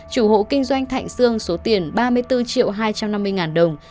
chủ hộ kinh doanh thạnh sương số tiền ba mươi bốn triệu hai trăm năm mươi ngàn đồng